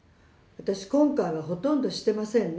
私今回はほとんどしてませんね。